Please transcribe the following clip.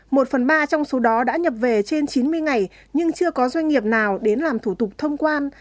một phần ba trong số đó đã nhập về trên chín mươi ngày nhưng chưa có doanh nghiệp nào đến làm thủ tục thông quan